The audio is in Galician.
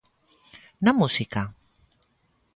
Na música?